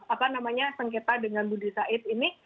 apa namanya sengketa dengan budi said ini